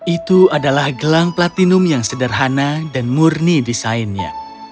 itu adalah gelang platinum yang sederhana dan murni desainnya